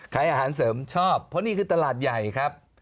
ขายอาหารเสริมชอบเพราะนี่คือตลาดใหญ่ครับ